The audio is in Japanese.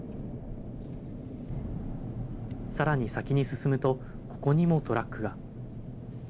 さらに先に進むと、ここにもトラックが。